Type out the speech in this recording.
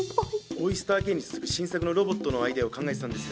オイスターＫに続く新作のロボットのアイデアを考えてたんですが。